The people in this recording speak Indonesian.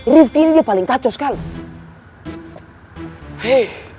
rifki ini dia paling kacau sekali